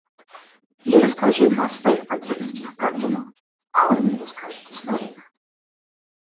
Я расскажу ему о своих потребностях и проблемах, а он мне расскажет о своих.